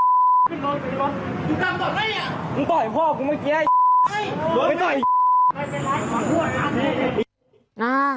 หรือไม่ต่อยไอ้